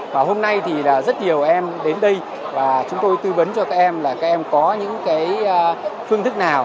và hôm nay thì rất nhiều em đến đây và chúng tôi tư vấn cho các em là các em có những cái phương thức nào